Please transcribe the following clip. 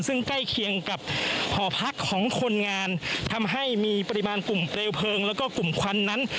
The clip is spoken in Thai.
ซึ่งใกล้เคียงกับหอพักของคนงานทำให้มีปริมาณกลุ่มเปลวเพลิงแล้วก็กลุ่มควันนั้น